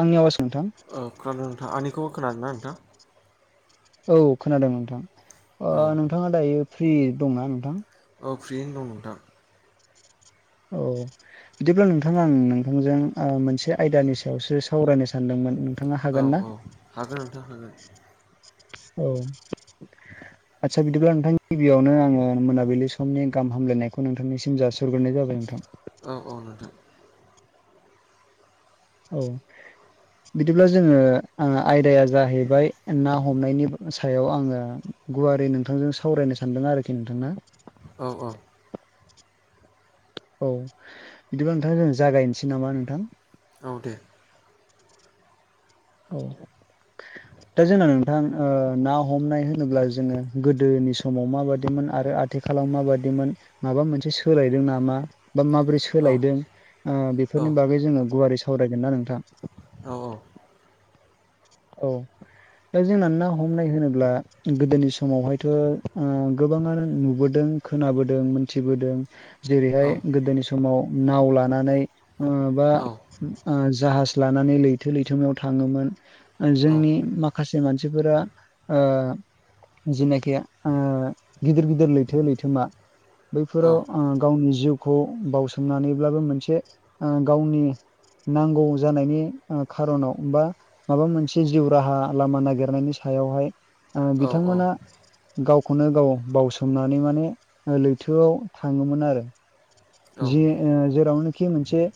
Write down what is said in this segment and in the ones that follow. आंनि आवाज नोंथां। औ खोनादों नोंथां आंनिखौबो खोनादों ना नोंथां? औ खोनादों नोंथां ओ औ नोंथाङा दायो फ्रि दंना नोंथां? औ फ्रियैनो दं नोंथां। औ बिदिब्ला नोंथाङा आं नोंथांजों ओ मोनसे आयदानि सायावसो सावरायनो सानदोंमोन नोंथाङा औ हागोन ना? औ हागोन नोंथां हागोन। औ। आदसा बिदिब्ला नोंथांनि गिबियावनो आङो मोनाबिलि समनि गाहाम हामलायनायखौ नोंथांनिसिम जासिहरग्रोनाय जाबाय नोंथां। औ औ नोंथां। औ बिदिब्ला जोङो ओ आयदाया जाहैबाय ना हमनायनिस सायाव आङो गुवारै नोंथांजों सावरायनो सानदों आरोखि नोंथांङा औ अ औ बिदिबा नोंथां जों जागायनोसै नामा नोंथां? औ दे। औ दा जोंना थां ओ ना हमनाय होनोब्ला जोङो गोदोनि समाव माबादिमोन आरो आथिखालाव माबादिमोन माबा मोनसे सोलायदों नामा बा माबोरै स औ सोलायदों ओ औ बेफोरनि बागै जोङो गुवारै सावरायगोन ना नोंथां? औ अ औ दा जोंना ना हमनाय होनोब्ला गोदोनि समावहायथ' ओ गोबाङानो नुबोदों। खोनाबोदों मोनथिबोदों जेरैहाय औ गोदोनि समाव नाव लानानै ओ बा ओ जाहाज लानानै लैथो लैथोमाव थाङोमोन। ओ जोंनि माखासे मानसिफोरा ओ जेनाखि ओ गिदिर गिदिर लैथो लैथोमा बैफोराव ओ गावनि जिउखौ बावसोमनानैब्लाबो मोनसे ओ गावनि नांगौ जानायनि ओ खार'नाव बा माबा मोनसे जिउ राहा लामा नागिरनायनि सायावहाय ओ बिथांमोना गावखौनो गाव बावसोमनानै माने ओ लैथोआव थाङोमोन आरो जि ओ जेरावनोखि मोनसे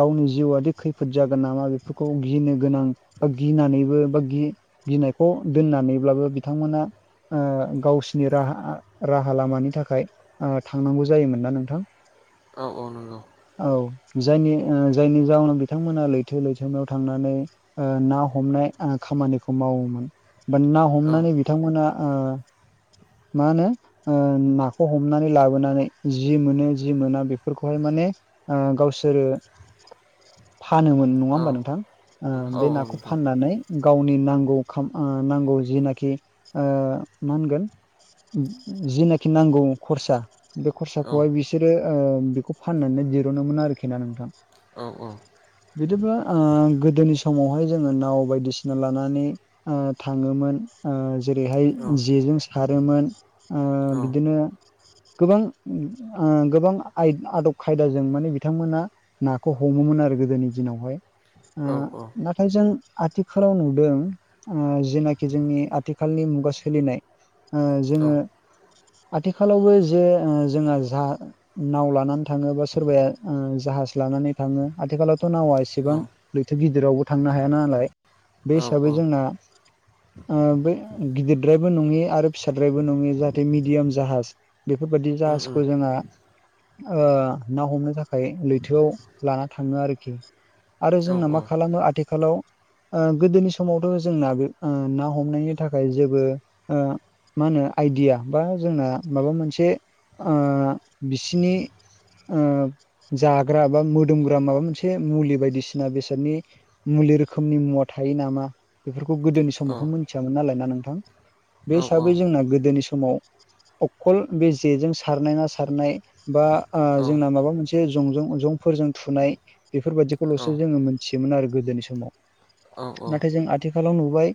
गावनि जिउआदि खैफोद जागोन नामा बेफोरखौ गिनो गोनां बा गिनानैबो बा गि गिनायखौ दोननानैब्लाबो बिथांमोना ओ गावसिनि राहा आ राहा लामानि थाखाय आ थांनांगौ जायोमोन ना नोंथां? औ औ नंगौ। औ जायनि ओ जायनि जाहोनाव बिथांमोना लैथो लैथोमायाव थांनानै ओ ना हमनाय आ खामानिखौ मावोमोन। बा ना औ हमनानै बिथांमोना ओ मा होनो ओ नाखौ हमनानै लाबोनानै जि मोनो जि मोना बेफोरखौहाय माने ओ गावसोरो फानोमोन नङा औ होमबा नोंथां? औ औ नोंथां। नानै गावनि नांगौ नांगौ जिनाखि ओ मा होनगोन जेनाखि नांगौ खरसा बे औ खरसाखौहाय बिसोरो बेखौ फाननानै दिरुनोमोन आरोखि ना नोंथां औ औ बिदिब्ला ओ गोदोनि समावहाय जोङो नाव बायदिसिना लानानै ओ थाङोमोन ओ जेरैहाय औ जेजों सारोमोन ओ औ औ उम औ बिदिनो गोबां गोबां आदब खायदाजों माने बिथांमोना नाखौ हमोमोन आरो गोदोनि दिनावहाय औ नाथाय जों आथिखालाव नुदों जेनाखि जोंनि आथिखालनि मुगा सोलिनाय जोङो आथिखालावबो जे जोंहा जा नाव लानानै थाङो बा सोरबाया जाहाज लानानै थाङो आथिखालावथ' नावा एसेबां लैथो गिदिरावबो थांनो हाया नालाय बे हिसाबै जोंना बे गिदिरद्रायबो नङि आरो फिसाद्रायबो नङै जाहाथे मिडियाम जाहाज बेफोरबायदि औ जाहाजखौ जोंहा ना हमनो थाखाय लैथोआव लाना थाङो आरोखि आरो जोंना मा खालामो आथिखालाव गोदोनि समावथ' जोंना बे ना हमनायनि थाखाय जेबो मा होनो आइडिया बा जोंना माबा मोनसे ओ बिसिनि जाग्रा बा मोदोमग्रा माबा मोनसे मुलि बायदिसिना बेसादनि मुलि रोखोमनि मुवा थायो नामा बेफोरखौ गोदोनि समावखौ मिथियामोन नालाय ना नोंथां बे हिसाबै जोंना गोदोनि समाव अखल बे जेजों सारनाय ना सारनाय बा जोंना माबा मोनसे जंजों जंफोरजों थुनाय बेफोरबायादिखौल'सो जोङो मोनथियोमोन आरो गोदोनि समाव नाथाय जों आथिखालाव नुबाय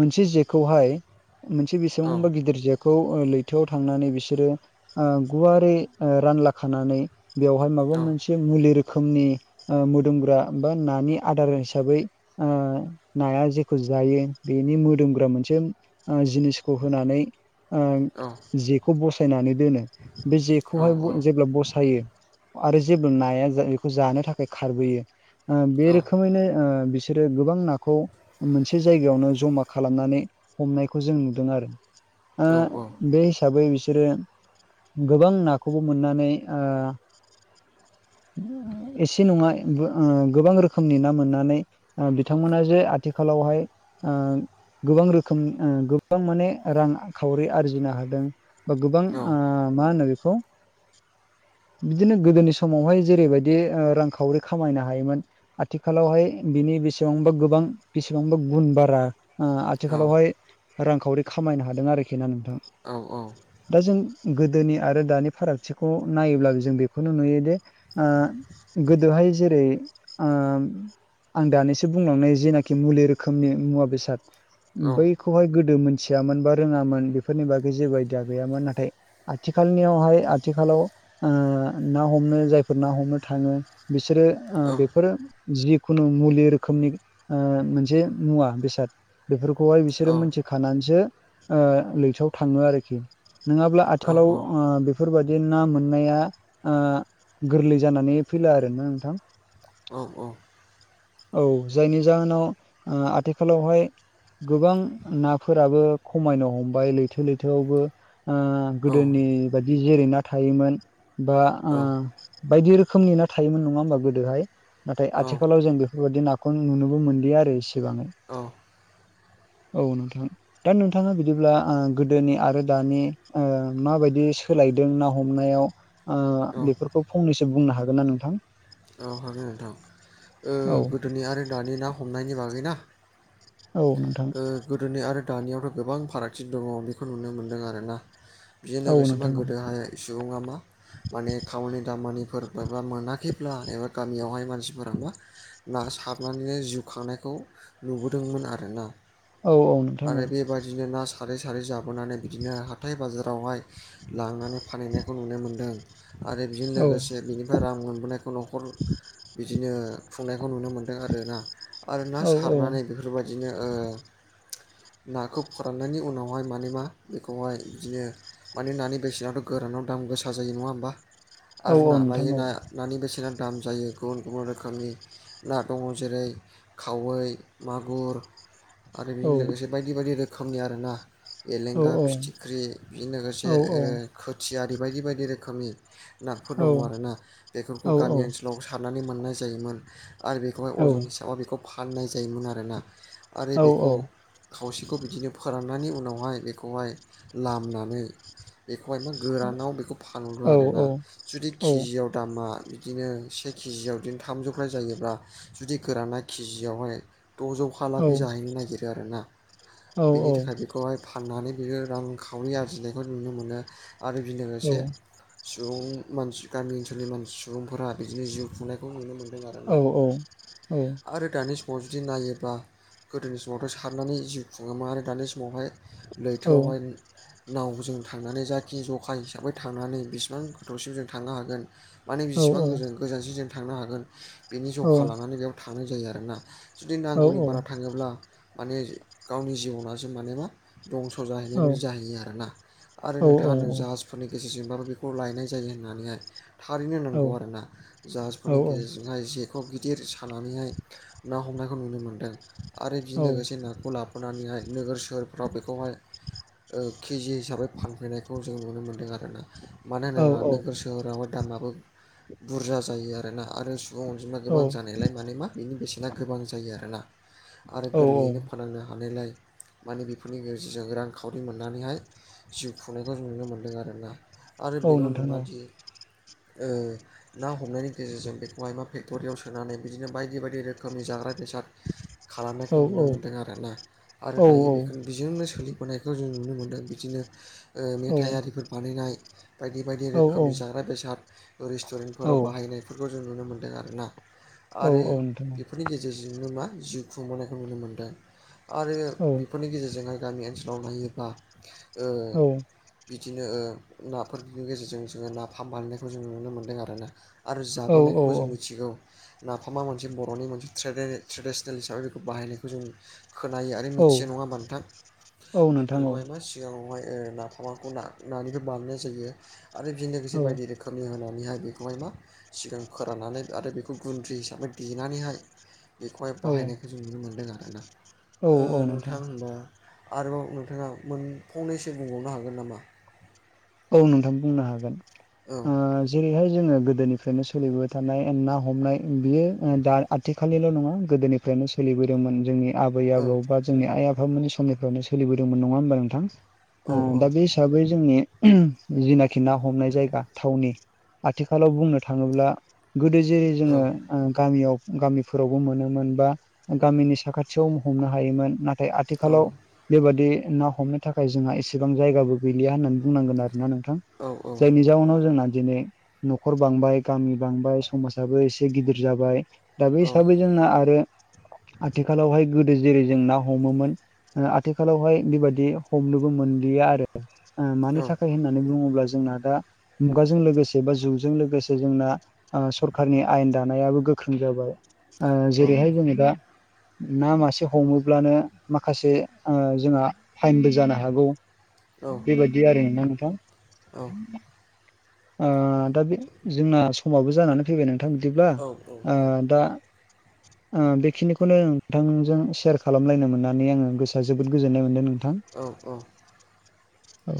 मोनसे जेखौहाय मोनसे बेसेबांबा गिदिर जेखौ लैथोआव थांनानै बिसोरो गुवारै रानला खानानै बेवहाय माबा मोनसे मुलि रोखोमनि दोमग्रा बा नानि आदार हिसाबै नाया जेखौ जायो बेनि मोदोमग्रा मोनसे जिनिसखौ होनानै जेखौ बसायनानै दोनो बे औ जेखौहाय जेब्ला बसायो आरो जेब्ला नाया बेखौ जानो थाखाय खारबोयो औ बे रोखोमैनो बिसोरो गोबां नाखौ मोनसे जायगायावनो जमा खालामनानै हमनायखौ जों नुदों आरो औ बे हिसाबै बिसोरो गोबां नाखौबो मोननानै एसे नङा गोबां रोखोमनि ना मोननानै बिथांमोना जे आथिखालावहाय गोबां रोखोम गोबां माने रांखावरि आरजिनो हादों बा गोबां आ मा होनो बेखौ बिदिनो गोदोनि समावहाय जेरैबायदि रांखावरि खामायनो हायोमोन आथिखालावहाय बिनि बेसेबांबा गोबां बेसेबांबा गुन बारा आथिखालावहाय रांखावरि खामायनो हादों आरोखि ना नोंथां दा जों गोदोनि आरो दानि फारागथिखौ नायोब्लाबो जों बेखौनो नुयोदि गोदोहाय जेरै आ आं दानिसो बुंलांनाय जेनाखि मुलि रोखोमनि मुवा बेसाद बैखौहाय गोदो मोनथियामोन बा रोङामोन बेफोरनि बागै जेबो आयदिया गैयामोन नाथाय आथिखालनियावहाय आथिखालाव ना हमनो जायफोर ना हमनो थाङो बिसोरो बेफोरो जिखुनु मुलि रोखोमनि मोनसे मुवा बेसाद बेफोरखौहाय बिसोरो मिथिखानानैसो लैथोआव थाङो आरोखि नङाब्ला आथिखालाव बेफोरबायदि ना मोननाया गोरलै जानानै फैला आरो ना नोंथां औ औ औ जायनि जाहोनाव आथिखालावहाय गोबां नाफोराबो खमायनो हमबाय लैथो लैथोआवबो गोदोनि बायदि जेरैना थायोमोन बा बायदि रोखोमनि ना थायोमोन नङा होमबा गोदोहाय नाथाय आथिखालाव जों बेफोरबायदि नाखौ नुनोबो मोनदि आरो इसेबां औ नोंथां दा नोंथाङा बिदिब्ला गोदोनि आरो दानि माबायदि सोलायदों ना हमनायाव बेफोरखौ फंनैसो बुंनो हागोन ना नोंथां औ हागोन नोंथां औ गोदोनि आरो दानि ना हमनायनि बागै ना औ नोंथां गोदोनि आरो दानियावथ' गोबां फारागथि दङ बेखौ नुनो मोनदों आरोना बेजों औ लोगोसेोबा नोंथां औ गोदोहाय सुबुङा मा माने खावनि दामानिफोर एाबा मोनाखैब्ला एबा गामियावहाय मानसिफोराबा ना सारनानैनो जिउ खांनायखौ नुबोदोंमोन आरोना औ औ नोंथां आरो औ बेबायदिनो ना सारै सारै जाबोनानै बिदिनो हाथाय बाजारावहाय लांनानै फानहैनायखौ नुनो मोनदों आरो बेजों औ लोगोसे बेनिफ्राय रां मोनबोनायखौ न'खर बिदिनो खुंनायखौ नुनो मोनदों आरोना आरो ना औ सारनानै बेफोरबायदिनो नाखौ फोराननायनि उनावहाय मान मा बेखौहाय बिदिनो माने नानि बेसेनाथ' गोरानाव दाम गोसा जायो नङा होमबा औ आरो औ ना लायो नोंथां औ नाया नानि बेसेना दाम जायो गुबुन गुबुन रोखोमनि ना दङ जेरै खावै मागुर आरो बेजों लोगोसे बायदि बायदि रोखोमनि आरोना औ बेलेंगा औ फिथिख्रि बेजों लोगोसे औ औ खोथियारि बायदि बायदि रोखोमनि नाफोर दङ आरोना बेफोरखौ औ गामि ओनसोलाव सारनानै मोननाय जायोमोन आरो बेखौहाय औ अजन हिसाबै बेखौ फाननाय जायोमोन आरोना आरो औ बे औ खावसेखौ बिदिनो फोराननायनि उनावहाय बेखौहाय लामनानै बेखौ एमा औ गोरानाव बेखौ औ फानहरो औ आरोना जुदि केजियाव दामा बिदिनो से केजि आ बिदिनो थामजौ फ्राय जायोब्ला जुदि गोराना केजियावहाय द'जौखालागै जाहैनो नागिरो आरोना बेनि थाखाय बेखौहाय फाननानै बेयो रांखावरि आरजिनायखौ नुनो मोनो आरो बे लोगोसे सुबुं मानसि गामि ओनसोलनि मानसि सुबुंफोरा बिदिनो जिउ खुंनाय खौ नुनो मोनदों आरोना आरो दानि समाव जुदि नायोब्ला गोदोनि सम समावथ' सारनानै जिउ खुङोमोन आरो दानि समावहाय लैथोआवहाय नाव जों थांनानै जाखि जख हिसाबै थांनानै बिसिबां गोथौसिम जों थांनो हागोन माने बिसिबां गोज गोजानसिन जों थांनो हागोन बेनि औ जखा लानानै बेयाव थांनाय जायो आरोना जुदि औ नांगौनि औ बारा थाङोब्ला माने गावनि जिबनासो माने मा दंस' जाहैनाय बायदि जाहैयो आरोना आरो नोंथाङानो जास्ट फोरनि गेजेरजोंबाबो बेखौ लायनाय जायो होननानैहाय थारैनो नांगौ आरोना। जाहाजफोरनि गेजेरजों हाय जेखौ गिदिर सानानैहाय ना हमनायखौ नुनो मोनदों। आरो बिजों लोगोसे नाखौ लाबोनानैहाय नोगोर सोहोरफ्राव बेखौहाय ओ केजि हिसाबै फानफैनायखौ जों नुनो मोन्दों आरोना। मानो होनोबा नोगोर सोहोराव दामाबो बुरजा जायो आरोना आरो सु बुं अनजिमा गोबां जानायलाय माने मा बेनि बेसेना गोबां जायो आरोना। आरो गोरलैयैनो फानांनो हानायलाय माने बेफोरनि गेजेरजों रांखावरि मोननानैहाय जिउ खुंनायखौ जों नुनो मोन्दों आरोना। आरो बेल' नोंथां नङा दि ओ ना हमनायनि गेजेरजों बेखौहायबा फेक्ट'रियाव सोनानै बिदिनो बायदि बायदि रोखोमनि जाग्रा बेसाद औ खालामनायखौ नुनो मोनदों आरोना। आरो औ दायो औ बेखौ बेजोंनो सोलिबोनायखौ जों नुनो मोन्दों बिदिनो मेथाइ आरिफोर बानायनाय बायदि बायदि औ रोखोमनि जाग्रा बेसाद रेस्टुरेन्टफोराव बाहायनाय बेफोरखौ जों नुनो मोन्दों आरोना औ आरो नोंथां बेफोरनि गेजेरजोंनो मा जिउ खुंबोनायखौ नुनो मोन्दों आरो औ बेफोरनि गेजेरजोंहाय गामि ओनसोलाव नायोब्ला ओ औ बिदिनो नाफोरनि गेजेरजों जोंङो नाफाम बानायनायखौ जों नुनो मोन्दों आरोना। आरो औ जाबोनायखौबो जों मिथिगौ नाफामा मोनसे बर'नि मोनसे ट्रेडे-ट्रेदेस नेल हिसाबै बेखौ बाहायनायखौ जों खोनायो आरो मिथियो नङा औ होनबा नोंथां नोंथां बेफोरखौहाय मा सिगाङावहाय नाफामाखौ नानिबो बानायनाय जायो आरो बेजों लोगोसे औ बायदि रो खोमिहोनैहाय बेखौहाय मा सिगां फोराननानै आरो बेखौ गुन्द्रि हिसाबै देनानैहाय बे औ औ बाहायनायखौ जों नुनो मोन्दों आरोना औ ओ नोंथां होनबा आरोबाव नोंथाङा मोन फंनैसो बुंबावनो हागोन नामा। औ नोंथां बुंनो हागोन औ ओ जेरैहाय जोंङो गोदोनिफ्रायनो सोलिबोबाय थानाय ना हमनाय बियो दा आथिखालनिल' नङा गोदोनिफ्रायनो सोलिबोदोंमोन जोंनि आबै औ आबौ बा जोंनि आइ आफा मोननि समनिफ्रावनो सोलिबोदोंमोन नङा होमबा नोंथां ओ औ औ दा बे हिसाबै जोंनि जिनाखि ना हमनाय जायगा थावनि आथिखालाव बुंनो थाङोब्ला गोदो जेरै औ जोंङो गामियाव गामिफोरावबो मोनोमोन बा गामिनि साखाथियाव हमनो हायोमोन ना थाय औ आथिखालाव बेबादि ना हमनो थाखाय जोंहा एसेबां जायगाबो गैलिया होननानै बुंनांगोन आरोना नोंथां औ जायनि जाउनाव जोंना दिनै न'खर बांबाय गामि बांबाय समाजाबो एसे गिदिर जाबाय दा बे हिसाबै जोंना आरो आथिखालावहाय गोदो जेरै जों ना हमोमोन आथिखालावहाय बेबादि हमनोबो मोनलिया आरो ओं थाखाय होननानै बुङोब्ला जोंना दा मुगाजों लोगोसे बा जुगजों लोगोसे जोंना आ सरखारनि आयेन दानायाबो गोख्रों जाबाय आ औ जेरैहाय जोंङो दा ना मासे हमोब्लानो माखासे जोंहा फाइनबो जानो हागौ। बे बायदि आरोना नोंथां ओ दा बे जोंना समाबो जानानै फैबाय नोंथां बिदिब्ला ओ दा ओ बेखिनिखौनो नोंथांजों सेयार खालामलायनो मोननानै आङो गोसोआ जोबोद गोजोननाय मोनदों नोंथां। औ औ। औ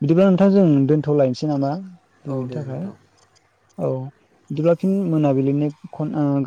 बिदिबा नोंथां जों दोनथ'लायनोसै नामा औ दिनैनि दे थाखाय नोंथां औ बिदिब्ला फिन मोनाबिलिनि खन आ गा